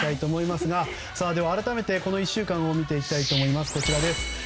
改めて、この１週間を見ていきたいと思います。